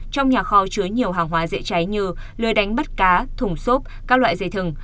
trong nhà kho chứa nhiều hàng hóa dễ cháy như lười đánh bắt cá thùng xốp các loại dây thừng